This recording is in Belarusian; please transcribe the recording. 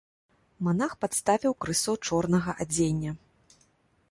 Манах падставіў крысо чорнага адзення.